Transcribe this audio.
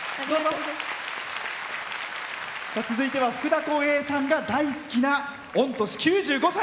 続いては福田こうへいさんが大好きな御年９５歳。